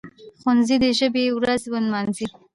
ښوونځي دي د ژبي ورځ ولمانځي.